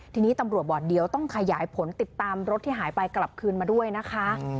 ทีนี้ตำรวจบอกเดี๋ยวต้องขยายผลติดตามรถที่หายไปกลับคืนมาด้วยนะคะ